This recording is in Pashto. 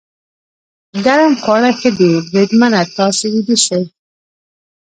ګرم خواړه ښه دي، بریدمنه، تاسې ویده شئ.